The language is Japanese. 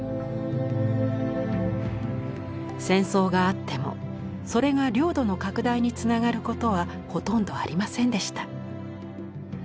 戦争があってもそれが領土の拡大につながることはほとんどありませんでした。